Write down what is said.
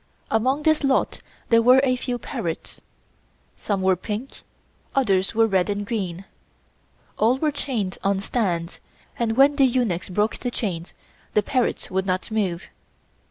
Among this lot there were a few parrots. Some were pink; others were red and green; all were chained on stands, and when the eunuchs broke the chains, the parrots would not move.